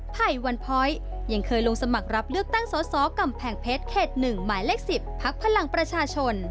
ไผ่วันพ้อยยังเคยลงสมัครรับเลือกตั้งสอสอกำแพงเพชรเขต๑หมายเลข๑๐พักพลังประชาชน